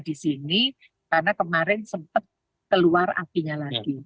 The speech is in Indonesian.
jadi sehingga ada dua di sini karena kemarin sempat keluar apinya lagi